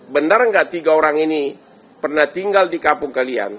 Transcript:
benar nggak tiga orang ini pernah tinggal di kampung kalian